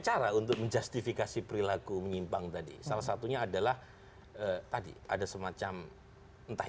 cara untuk menjustifikasi perilaku menyimpang tadi salah satunya adalah tadi ada semacam entah